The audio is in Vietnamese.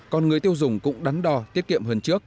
còn người tiêu dùng cũng đắn đo tiết kiệm hơn trước